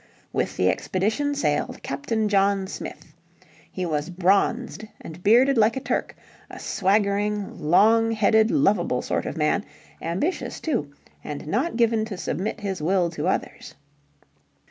With the expedition sailed Captain John Smith. He was bronzed and bearded like a Turk, a swaggering, longheaded lovable sort of man, ambitious, too, and not given to submit his will to others.